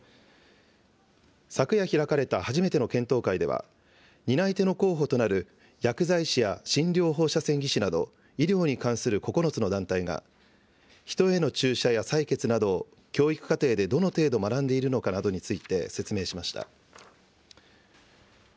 昨夜開かれた初めての検討会では、担い手の候補となる薬剤師や診療放射線技師など、医療に関する９つの団体が人への注射や採血など、教育課程でどの程度学んでいるのかなどについて説明しました。